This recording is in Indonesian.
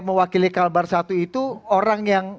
mewakili kalbar satu itu orang yang